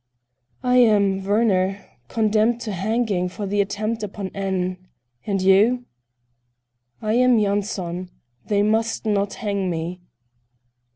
"I am Werner, condemned to hanging for the attempt upon N—. And you?" "I am Yanson. They must not hang me."